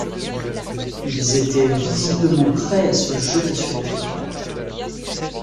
Ils étaient visiblement prêts à se jeter sur lui.